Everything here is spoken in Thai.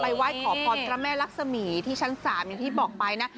ไหว้ขอพรพระแม่รักษมีที่ชั้น๓อย่างที่บอกไปนะ